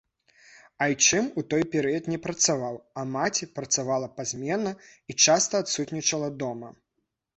Айчым ў той перыяд не працаваў, а маці працавала пазменна і часта адсутнічала дома.